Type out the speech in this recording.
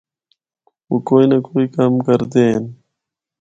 او کوئی نہ کوئی کم کردے ہن۔